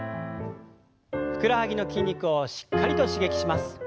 ふくらはぎの筋肉をしっかりと刺激します。